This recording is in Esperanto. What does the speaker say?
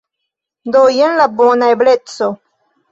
Do jen la bona ebleco!